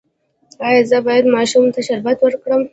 ایا زه باید ماشوم ته شربت ورکړم؟